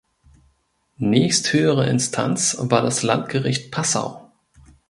Nächsthöhere Instanz war das Landgericht Passau.